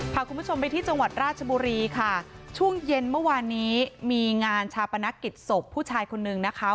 พาคุณผู้ชมไปที่จังหวัดราชบุรีค่ะช่วงเย็นเมื่อวานนี้มีงานชาปนกิจศพผู้ชายคนนึงนะคะ